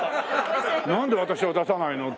なんで私を出さないの？